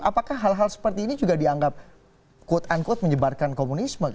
apakah hal hal seperti ini juga dianggap menyebarkan komunisme